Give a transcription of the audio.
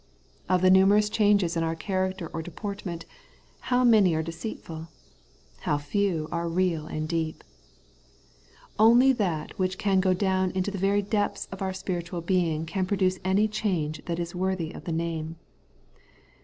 Of the numerous changes in our character or deportment, how many are deceitful, how few are real and deep ! Only that which can go down into the very depths of our spiritual being can produce any change that is worthy of the name.